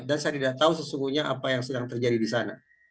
dan saya tidak tahu sesungguhnya apa yang sedang terjadi di sana